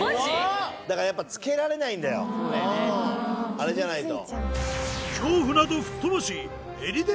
あれじゃないと。